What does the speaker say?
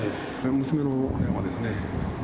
娘の電話ですね。